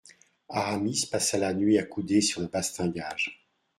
Aramis passa la nuit accoudé sur le bastingage.